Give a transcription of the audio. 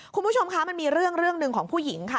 คุณผู้ชมคะมันมีเรื่องเรื่องหนึ่งของผู้หญิงค่ะ